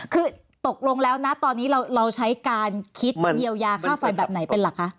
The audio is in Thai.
คือตกลงแล้วนะตอนนี้เราใช้การคิดเยียวยาค่าไฟแบบไหนเป็นหลักคะ